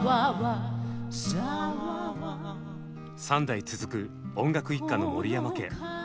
３代続く音楽一家の森山家。